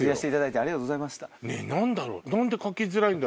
何だろう？